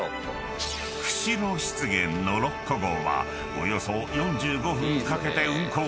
［くしろ湿原ノロッコ号はおよそ４５分かけて運行］